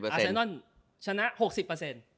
อาร์แซนอนชนะ๖๐เปอร์เซนต์